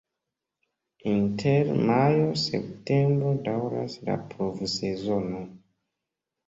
Inter majo-septembro daŭras la pluvsezono.